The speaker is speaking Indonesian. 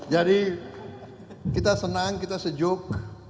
jadi kita senang kita sejuk